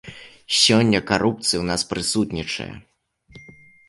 Сёння карупцыя ў нас прысутнічае!